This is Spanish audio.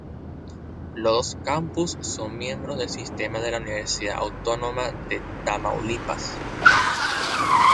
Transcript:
Los dos campus son miembros del sistema de la Universidad Autónoma de Tamaulipas.